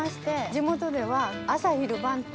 地元では朝昼晩って。